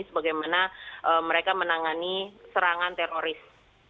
sebagaimana mereka menangani serangan teroris